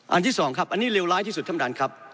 อันที่สองครับอันนี้เรียวร้ายที่สุดท่ำดันครับ